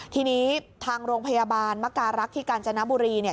ทีนี้ทางโรงพยาบาลมการรักษ์ที่กาญจนบุรีเนี่ย